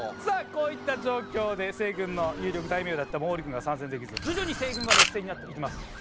さあこういった状況で西軍の有力大名だった毛利軍が参戦できず徐々に西軍が劣勢になっていきます。